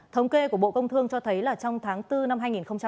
thống kê của bộ công thương cho thấy là trong tháng bốn năm hai nghìn một mươi chín